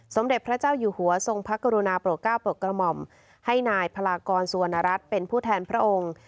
สมเด็จพระเจ้าอยู่หัวทรงพระกรุณาโปรดก้าวโปรดกระหม่อมให้นายพลากรสุวรรณรัฐเป็นผู้แทนพระองค์